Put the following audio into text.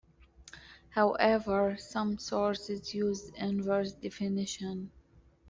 However, some sources use the inverse definition.